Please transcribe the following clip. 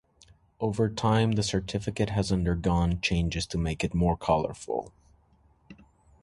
Over time the certificate has undergone changes to make it more colorful.